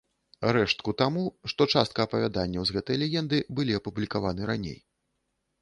Рэштку таму, што частка апавяданняў з гэтай легенды былі апублікаваны раней.